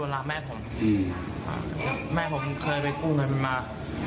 เขาเคยมาลวนลามแม่ผมแม่ผมเคยไปกู้เงินมา